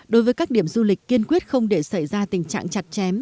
đối với các điểm du lịch kiên quyết không để xảy ra tình trạng chặt chém